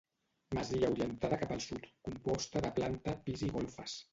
Masia orientada cap al sud, composta de planta, pis i golfes.